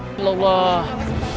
ambil jenazahnya pak